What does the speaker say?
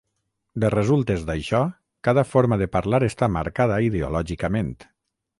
De resultes d'això, cada forma de parlar està marcada ideològicament.